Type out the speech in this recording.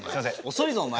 遅いぞお前。